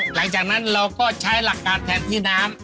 หลังจากนั้นเราก็ใช้หลักการแทนที่น้ำ